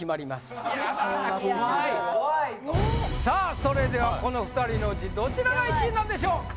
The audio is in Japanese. さあそれではこの２人のうちどちらが１位なんでしょう。